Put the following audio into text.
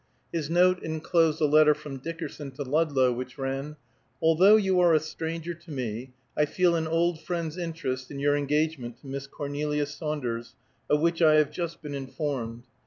His note enclosed a letter from Dickerson to Ludlow, which ran: "Although you are a stranger to me, I feel an old friend's interest in your engagement to Miss Cornelia Saunders, of which I have just been informed.